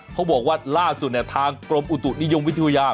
เขาบอกว่าล่าสุดทางกรมอุตุนิยมวิทยา